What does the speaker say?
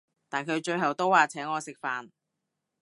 但佢最後都話請我食飯